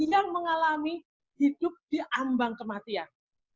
yang mengalami hidup diambang kematian